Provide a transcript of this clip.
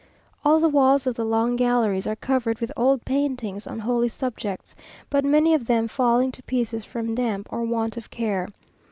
All the walls of the long galleries are covered with old paintings on holy subjects, but many of them falling to pieces from damp or want of care.